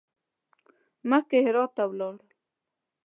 مخکې هرات ته ولاړل.